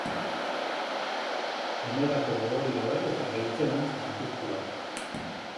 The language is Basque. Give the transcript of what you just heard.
Onerako gogorik gabe eta gaitzerantz makurtua.